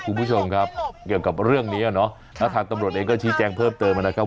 คุณผู้ชมครับเกี่ยวกับเรื่องเนี้ยเนอะแล้วทางตำรวจเองก็ชี้แจงเพิ่มเติมนะครับ